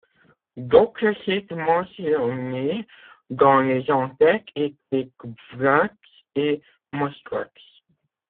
D'autres sites mentionné dans les en-têtes étaient kbgvax et moskvax.